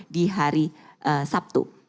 di hari sabtu